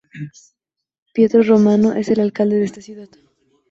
Pietro Romano es el alcalde de esta ciudad.